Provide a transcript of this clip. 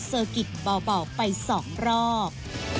เซอร์กิตเบาไปสองรอบ